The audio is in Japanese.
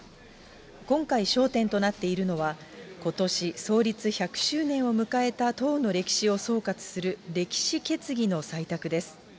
今回、焦点となっているのは、ことし創立１００周年を迎えた党の歴史を総括する歴史決議の採択です。